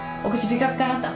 ピカピカなった？